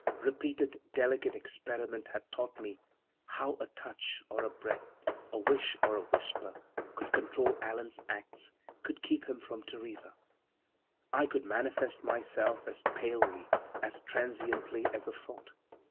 Repeated delicate experiment had taught me how a touch or a breath, a wish or a whisper, could control Allan's acts, could keep him from Theresa. I could manifest myself as palely, as transiently, as a thought.